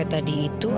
kamu kacau kok aduh